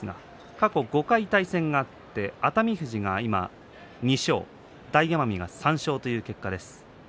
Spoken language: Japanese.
過去５回、対戦があって熱海富士が今、２勝大奄美が３勝という結果です。